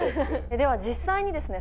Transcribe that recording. では実際にですね